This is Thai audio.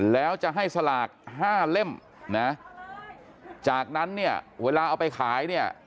แล้วจะให้สลาก๕เล่มจากนั้นเวลาเอาไปขาย